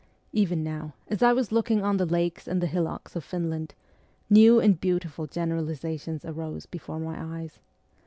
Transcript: Even now, as I was looking on the lakes and the hillocks of Finland, new and beautiful generalizations arose before my eyes.